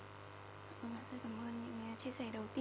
vâng ạ rất cảm ơn những chia sẻ đầu tiên